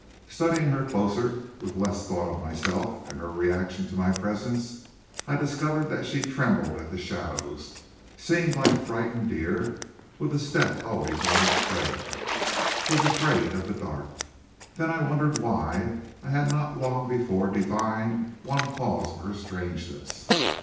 Studying her closer, with less thought of myself and her reaction to my presence, I discovered that she trembled at shadows, seemed like a frightened deer with a step always on its trail, was afraid of the dark. Then I wondered why I had not long before divined one cause of her strangeness.